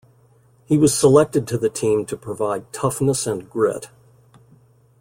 He was selected to the team to provide toughness and grit.